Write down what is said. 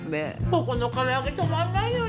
ここのからあげ止まんないのよね！